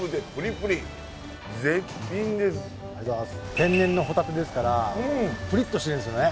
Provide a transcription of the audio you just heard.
天然のホタテですからプリッとしてるんですよね。